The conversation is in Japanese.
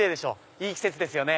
いい季節ですよね。